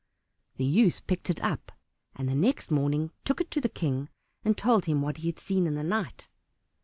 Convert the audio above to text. The youth picked it up, and the next morning took it to the King and told him what he had seen in the night.